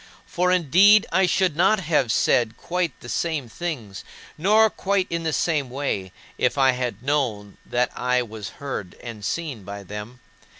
For, indeed, I should not have said quite the same things, nor quite in the same way, if I had known that I was heard and seen by them.